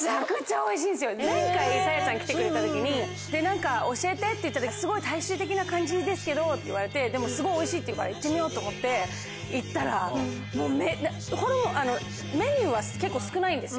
前回紗椰ちゃんが来てくれた時に何か教えてって言った時すごい大衆的な感じですけどって言われてでもすごいおいしいって言うから行ってみようと思って行ったらメニューは結構少ないんですよ。